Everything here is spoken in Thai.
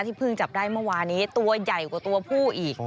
เพิ่งจับได้เมื่อวานี้ตัวใหญ่กว่าตัวผู้อีก